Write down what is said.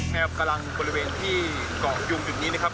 แนวกำลังบริเวณที่เกาะยุงจุดนี้นะครับ